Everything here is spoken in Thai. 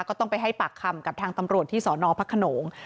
ก็ต้องไปให้ปากคำกับทางตำรวจที่สนพระขนง